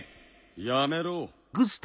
やめろ。